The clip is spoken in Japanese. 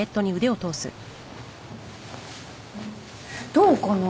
どうかな？